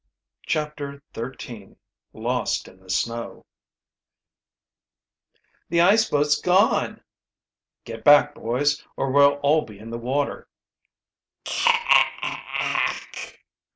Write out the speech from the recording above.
CHAPTER XIII LOST IN THE SNOW "The ice boat's gone!" "Get back, boys, or we'll all be in the water!"